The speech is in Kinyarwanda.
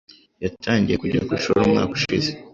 yatangiye kujya ku ishuri umwaka ushize